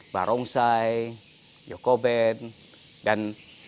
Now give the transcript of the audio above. barongsai yokoben dan